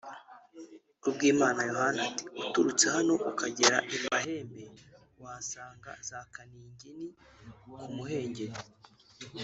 Kubwimana Yohani ati “Uturutse hano ukagera i Mahembe wahasanga za kaningini ku muhengeri